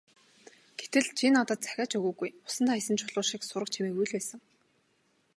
Гэтэл чи надад захиа ч өгөөгүй, усанд хаясан чулуу шиг сураг чимээгүй л байсан.